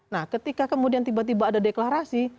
nah ketika kemudian tiba tiba ada deklarasi